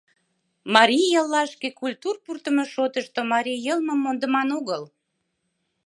Марий яллашке культур пуртымо шотышто марий йылмым мондыман огыл.